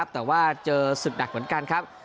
แต่ว่าเจอศึกหนักเหมือนกันครับ